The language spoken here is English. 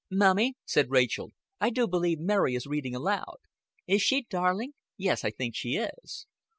"Mummy," said Rachel, "I do believe Mary is reading aloud." "Is she, darling? Yes, I think she is."